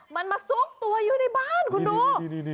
มันมาซุกตัวอยู่ในบ้านคุณดู